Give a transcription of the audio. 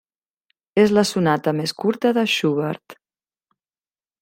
És la sonata més curta de Schubert.